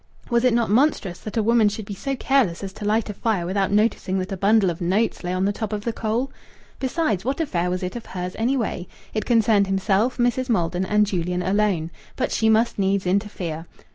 Was it not monstrous that a woman should be so careless as to light a fire without noticing that a bundle of notes lay on the top of the coal? Besides, what affair was it of hers, anyway? It concerned himself, Mrs. Maldon, and Julian, alone. But she must needs interfere.